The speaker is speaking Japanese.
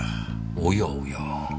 おやおや。